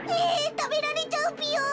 たべられちゃうぴよ。